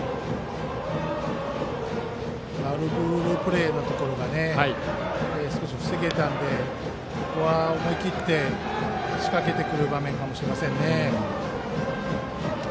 今のプレーのところは少し防げたのでここは思い切って仕掛けてくる場面かもしれません。